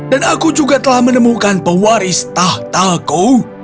dan aku juga telah menemukan pewaris tahtaku